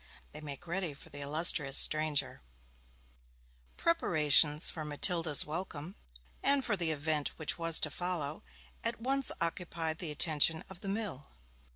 THEY MAKE READY FOR THE ILLUSTRIOUS STRANGER Preparations for Matilda's welcome, and for the event which was to follow, at once occupied the attention of the mill.